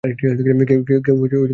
কেউ প্রস্তুত ছিল না।